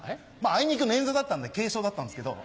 あいにく捻挫だったんで軽症だったんですけど。